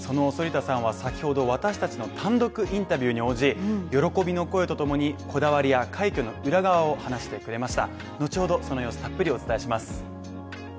先ほど私達の単独インタビューに応じ、喜びの声とともに、こだわりや、快挙の裏側を話してくれました。